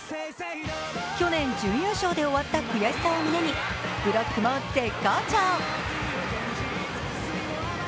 去年、準優勝で終わった悔しさを胸に、ブロックも絶好調。